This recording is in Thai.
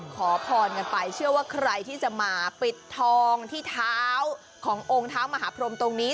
ขอพรกันไปเชื่อว่าใครที่จะมาปิดทองที่เท้าขององค์เท้ามหาพรมตรงนี้